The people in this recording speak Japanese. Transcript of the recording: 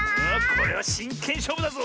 これはしんけんしょうぶだぞ！